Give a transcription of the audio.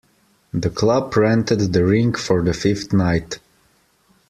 The club rented the rink for the fifth night.